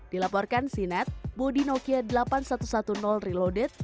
dilaporkan sinet bodi nokia delapan ribu satu ratus sepuluh reloded